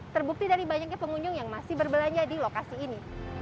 terbukti dari banyaknya pengunjung yang masih berbelanja di lokasi ini